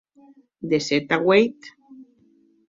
De sèt a ueit.